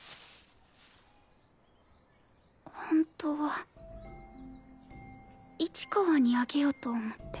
ホントは市川にあげようと思って。